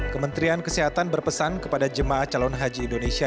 kementerian kesehatan berpesan kepada jemaah calon haji indonesia